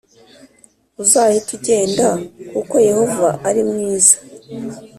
uzahite ugenda kuko Yehova arimwiza